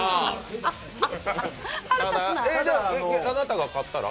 あなたが勝ったら？